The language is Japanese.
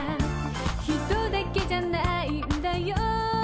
「ヒトだけじゃないんだよ」